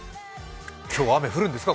今日、雨降るんですか？